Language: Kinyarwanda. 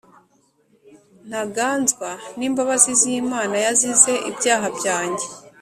Ntanganzwa n’imbabazi z’imana yazize ibyaha byanjye